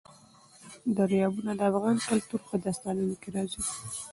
دریابونه د افغان کلتور په داستانونو کې راځي.